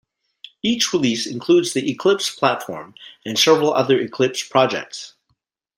Each release includes the Eclipse Platform and several other Eclipse projects.